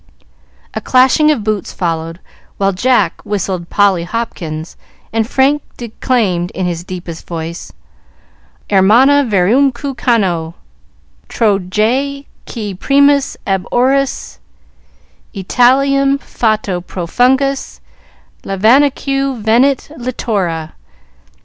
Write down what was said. A clashing of boots followed, while Jack whistled "Polly Hopkins," and Frank declaimed in his deepest voice, "Arma virumque cano, Trojae qui primus ab oris Italiam, fato profugus, Laviniaque venit litora."